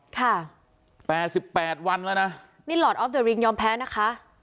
แปดสิบแปดวันแล้วนะนี่หลอดออฟเดอริงยอมแพ้นะคะ